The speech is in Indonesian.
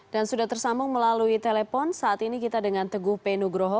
dan sudah tersambung melalui telepon saat ini kita dengan teguh p nugroho